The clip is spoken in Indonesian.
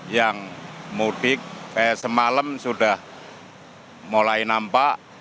yang mudik semalam sudah mulai nampak